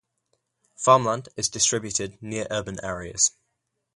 Farmland is distributed near urban areas.